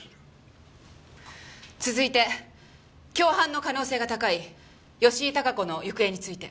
続いて共犯の可能性が高い吉井孝子の行方について。